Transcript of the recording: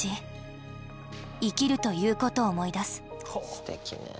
すてきねえ。